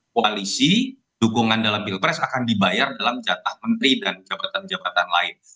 koalisi dukungan dalam pilpres akan dibayar dalam jatah menteri dan jabatan jabatan lain